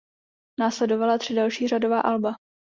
Následovala tři další řadová alba.